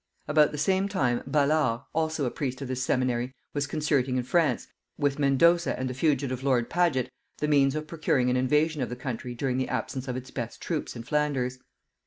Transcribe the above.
About the same time Ballard, also a priest of this seminary, was concerting in France, with Mendoça and the fugitive lord Paget, the means of procuring an invasion of the country during the absence of its best troops in Flanders.